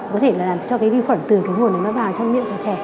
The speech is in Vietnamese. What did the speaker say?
có thể là cho vi khuẩn từ nguồn này vào trong miệng của trẻ